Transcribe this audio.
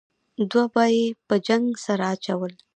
دوه به یې په جنګ سره اچول.